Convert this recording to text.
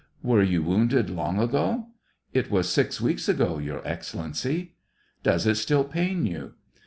Were you wounded long ago ?"" It was six weeks ago. Your Excellency." " Does it still pain you